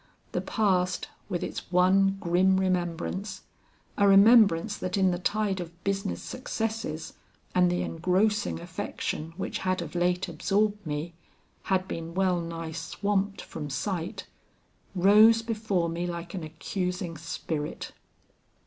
The past, with its one grim remembrance a remembrance that in the tide of business successes and the engrossing affection which had of late absorbed me, had been well nigh swamped from sight rose before me like an accusing spirit.